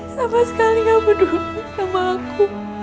sama sekali gak peduli sama aku